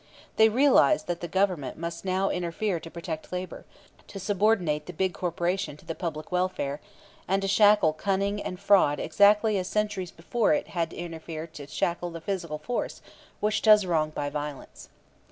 They realized that the Government must now interfere to protect labor, to subordinate the big corporation to the public welfare, and to shackle cunning and fraud exactly as centuries before it had interfered to shackle the physical force which does wrong by violence.